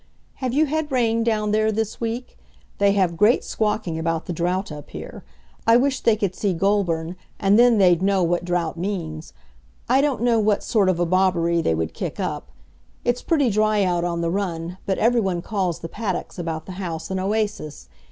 Have you had rain down there this week? They have great squawking about the drought up here. I wish they could see Goulburn, and then they'd know what drought means. I don't know what sort of a bobberie they would kick up. It's pretty dry out on the run, but everyone calls the paddocks about the house an oasis.